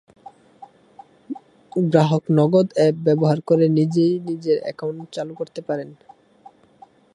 গ্রাহক নগদ অ্যাপ ব্যবহার করে নিজেই নিজের অ্যাকাউন্ট চালু করতে পারেন।